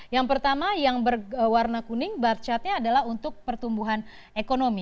yang pertama yang berwarna kuning barcatnya adalah untuk pertumbuhan ekonomi